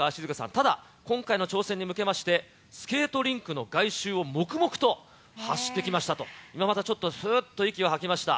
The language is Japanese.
ただ、今回の挑戦に向けまして、スケートリンクの外周を黙々と走ってきましたと、今、またちょっと、すっと息を吐きました。